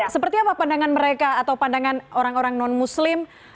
seperti apa pandangan mereka atau pandangan orang orang non muslim